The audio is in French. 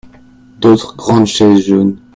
D'autres grandes chaises jaunes.